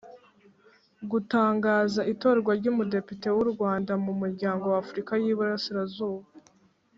Gutangaza itorwa ry Umudepite w u Rwanda mu Muryango wa Afurika y Iburasirazuba